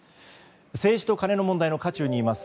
政治とカネの問題の渦中にいます